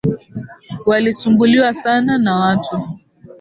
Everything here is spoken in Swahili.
Walisumbuliwa sana na watu.